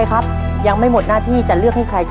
ข้อ๓เลข๑๐ค่ะ